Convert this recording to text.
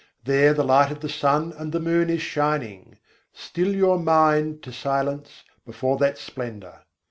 There the light of the sun and the moon is shining: still your mind to silence before that splendour.